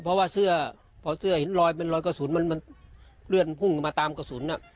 เพราะว่าเสื้อพอเสื้อเห็นรอยเป็นรอยกระสุนมันเลื่อนพุ่งมาตามกระสุน